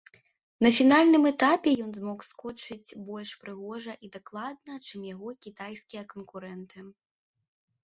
На фінальным этапе ён змог скочыць больш прыгожа і дакладна, чым яго кітайскія канкурэнты.